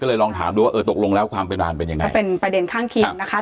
ก็เลยลองถามดูว่าเออตกลงแล้วความเป็นอ่านเป็นยังไงมันเป็นประเด็นข้างเคียงนะคะ